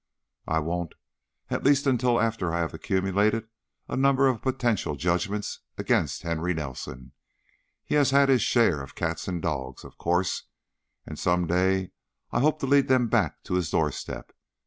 "I won't, at least until after I have accumulated a number of potential judgments against Henry Nelson. He has had his share of cats and dogs, of course, and some day I hope to lead them back to his doorstep.